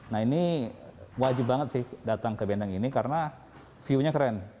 nah ini wajib banget sih datang ke benteng ini karena view nya keren